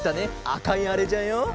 あかいあれじゃよ。